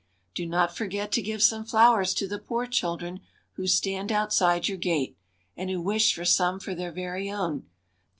Do not forget to give some flowers to the poor children who stand outside your gate, and who wish for some for their very own.